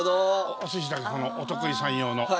お寿司だけお得意さん用の。